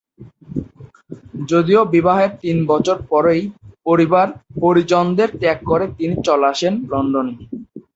যদিও বিবাহের তিন বছর পরেই পরিবার-পরিজনদের ত্যাগ করে তিনি চলে আসেন লন্ডনে।